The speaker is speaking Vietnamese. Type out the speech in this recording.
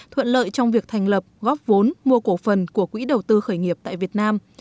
thuận lợi trong việc thành lập góp vốn mua cổ phần của quỹ đầu tư khởi nghiệp tại việt nam